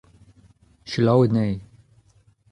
Selaouit anezhi.